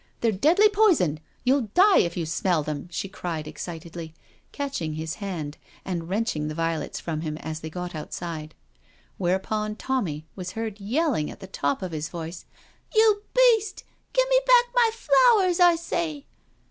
They're deadly poison— you'll die if you smell them," she cried excitedly, catching his hand and wrenching the violets from him as they got outside. Whereupon Tommy was heard yelling at the top of his voice: "You beast — gimme back my flowers, I say."